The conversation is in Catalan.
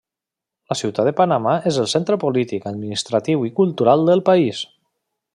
La ciutat de Panamà és el centre polític, administratiu i cultural del país.